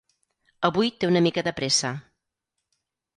Avui té una mica de pressa.